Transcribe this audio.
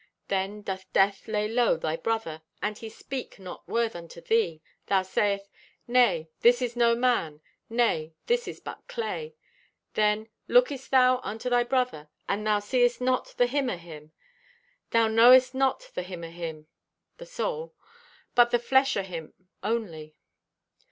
Then doth death lay low thy brother, and he speak not word unto thee, thou sayest: 'Nay, this is no man; nay, this is but clay.' Then lookest thou unto thy brother, and thou seest not the him o' him. Thou knowest not the him o' him (the soul) but the flesh o' him only.